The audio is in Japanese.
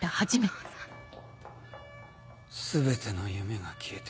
全ての夢が消えて。